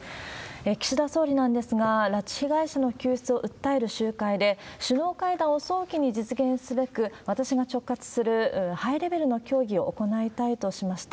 岸田総理なんですが、拉致被害者の救出を訴える集会で、首脳会談を早期に実現すべく、私が直轄するハイレベルの協議を行いたいとしました。